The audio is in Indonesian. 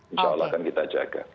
insya allah akan kita jaga